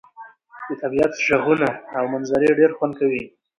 د طبيعت ږغونه او منظرې ډير خوند کوي.